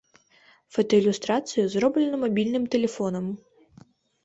Фотаілюстрацыі зроблены мабільным тэлефонам.